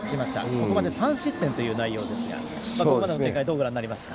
ここまで３失点という内容ですが振り返ってどうご覧になりますか。